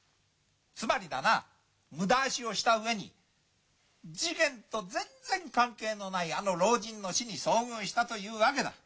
つまりだな無駄足をしたうえに事件と全然関係のないあの老人の死に遭遇したというわけだ。